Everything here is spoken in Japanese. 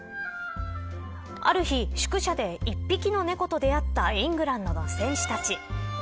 ある日、宿舎で一匹の猫と出会ったイングランドの選手たち。